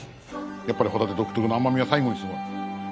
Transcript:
やっぱりホタテ独特の甘みは最後にすごい。